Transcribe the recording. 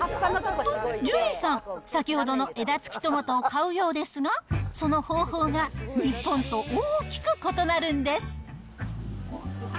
と、ジュリーさん、先ほどの枝つきトマトを買うようですが、その方法が日本と大きく異なるんです。